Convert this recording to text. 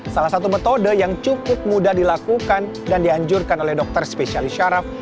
salah satu metode yang cukup mudah dilakukan dan dianjurkan oleh dr specialista raff